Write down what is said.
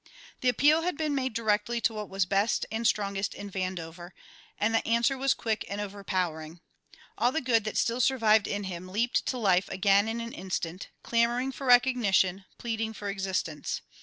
The appeal had been made directly to what was best and strongest in Vandover, and the answer was quick and over powering. All the good that still survived in him leaped to life again in an instant, clamouring for recognition, pleading for existence.